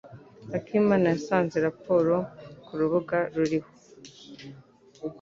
akimana yasanze raporo kurubuga ruriho.